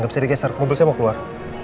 nggak bisa digeser mobil saya mau keluar